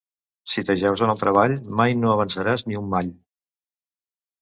Si t'ajeus en el treball, mai no avançaràs ni un mall.